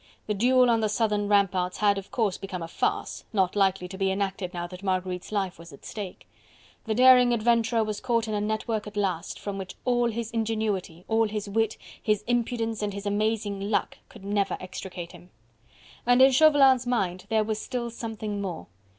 The duel on the southern ramparts had of course become a farce, not likely to be enacted now that Marguerite's life was at stake. The daring adventurer was caught in a network at last, from which all his ingenuity, all his wit, his impudence and his amazing luck could never extricate him. And in Chauvelin's mind there was still something more.